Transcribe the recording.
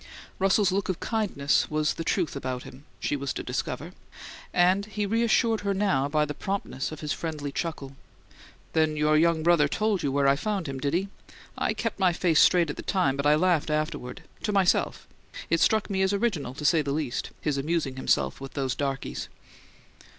Russell's look of kindness was the truth about him, she was to discover; and he reassured her now by the promptness of his friendly chuckle. "Then your young brother told you where I found him, did he? I kept my face straight at the time, but I laughed afterward to myself. It struck me as original, to say the least: his amusing himself with those darkies."